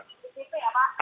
djp ya pak